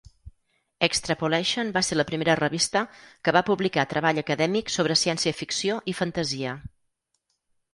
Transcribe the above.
"Extrapolation" va ser la primera revista que va publicar treball acadèmic sobre ciència ficció i fantasia.